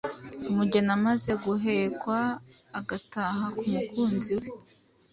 Umugeni amaze guhekwa agataha ku mukunzi we